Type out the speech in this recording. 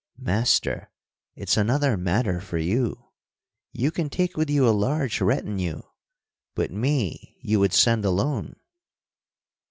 "Master, it's another matter for you. You can take with you a large retinue but me you would send alone."